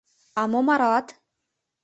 — А мом аралат?